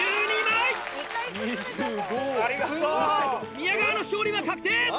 宮川の勝利は確定！